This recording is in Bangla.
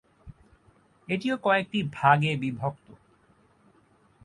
এটিও কয়েকটি ভাগে বিভক্ত।